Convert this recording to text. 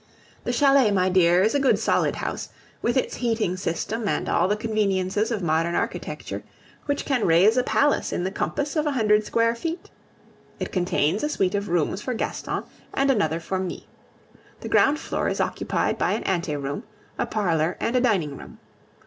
The chalet, my dear, is a good, solid house, with its heating system and all the conveniences of modern architecture, which can raise a palace in the compass of a hundred square feet. It contains a suite of rooms for Gaston and another for me. The ground floor is occupied by an ante room, a parlor, and a dining room.